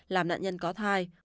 làm nạn nhân có thai